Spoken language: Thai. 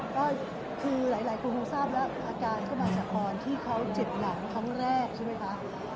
ก็คือหลายคนคงทราบแล้วอาการก็มาจากตอนที่เขาเจ็บหลังครั้งแรกใช่ไหมคะ